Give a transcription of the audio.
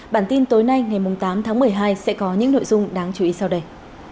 bản tin tối nay ngày tám tháng một mươi hai sẽ có những nội dung đáng chú ý sau đây